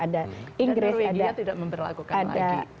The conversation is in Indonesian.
dan norwegia tidak memperlakukan lagi